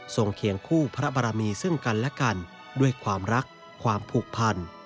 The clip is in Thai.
เคียงคู่พระบรมีซึ่งกันและกันด้วยความรักความผูกพัน